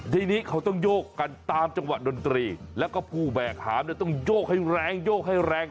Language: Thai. ทีนี้เขาต้องโยกกันตามจังหวะดนตรีแล้วก็ผู้แบกหามเนี่ยต้องโยกให้แรงโยกให้แรง